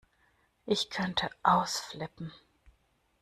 Ich könnte ausflippen!